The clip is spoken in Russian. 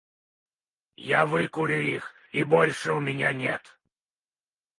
Я выкурю их, и больше у меня нет.